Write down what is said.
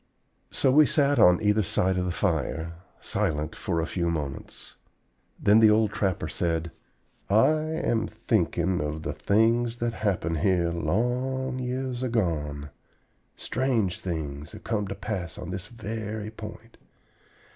So we sat on either side of the fire, silent for a few moments. Then the old trapper said: "I am thinking of the things that happened here long years agone. Strange things have come to pass on this very point.